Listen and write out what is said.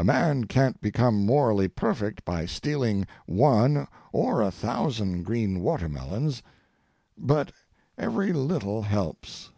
A man can't become morally perfect by stealing one or a thousand green watermelons, but every little helps.